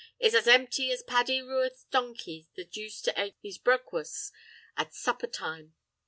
—is as empty as Paddy Ruadh's donkey that used to ate his brakwus at supper time.